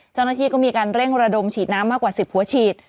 เจ้าหน้าที่ก็มีการเร่งระดมฉีดน้ำมากกว่า๑๐หัวฉีด